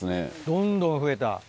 どんどん増えた。